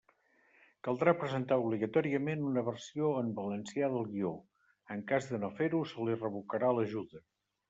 Caldrà presentar obligatòriament una versió en valencià del guió; en cas de no fer-ho, se li revocarà l'ajuda.